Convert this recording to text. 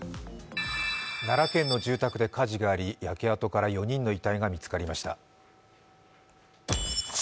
奈良県の住宅で火事があり、焼け跡から４人の遺体が見つかりました。